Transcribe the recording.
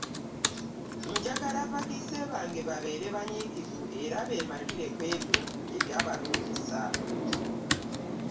Njagala abakiise bange babeere banyiikivu era beemalire ku ebyo ebyabalondesa